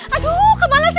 aduh kemana si